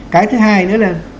cái thứ hai nữa là